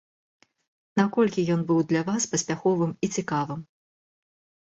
Наколькі ён быў для вас паспяховым і цікавым?